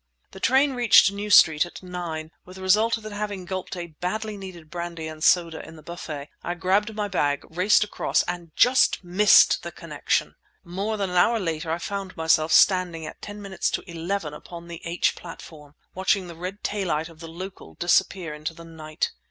The train reached New Street at nine, with the result that having gulped a badly needed brandy and soda in the buffet, I grabbed my bag, raced across—and just missed the connection! More than an hour later I found myself standing at ten minutes to eleven upon the H— platform, watching the red taillight of the "local" disappear into the night.